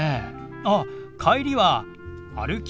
あ帰りは歩き？